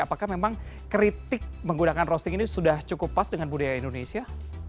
apakah memang kritik menggunakan roasting ini sudah cukup pas dengan budaya indonesia